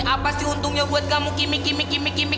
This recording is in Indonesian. apa sih untungnya buat kamu kimi